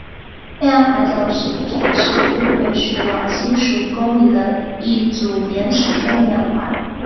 天涯海角石指的是日月石往西数公里的一组岩石中的两块。